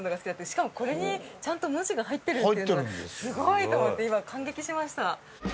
しかもこれにちゃんと文字が入ってるっていうのがすごい！と思って今感激しました。